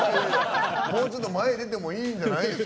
もうちょっと前へ出てもいいんじゃない？